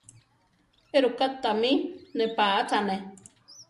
Éruká tamí nepátzaane?